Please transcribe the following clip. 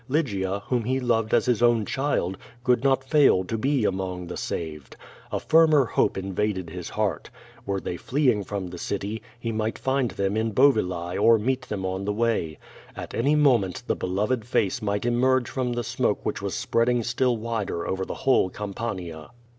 Lygia, whom he loved as his own child, could not fail to be among the saved. A firmer hope invaded his heart. Were they fleeing from the city, he might find them in Bovilae or meet them on the way. At any moment the beloved face might emerge from the smoke which was spreading still wider over the whole Campania.